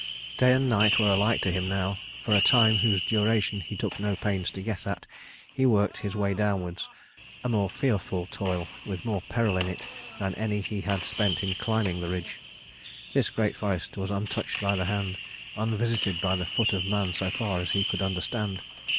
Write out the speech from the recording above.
Day and night were alike to him now; for a time whose duration he took no pains to guess at, he worked his way downwards, a more fearful toil, with more of peril in it than any he had spent in climbing the ridge. This great forest was untouched by the hand, unvisited by the foot of man so far as he could understand.